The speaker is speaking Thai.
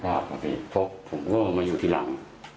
เพราะผมหัวเหงื่ออยู่ที่หลัง